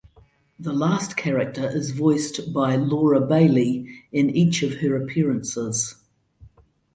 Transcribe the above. The character is voiced by Laura Bailey in each of her appearances.